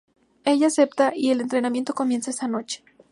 Ella acepta y el entrenamiento comienza esa noche.